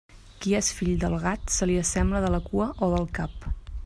Qui és fill del gat, se li assembla de la cua o del cap.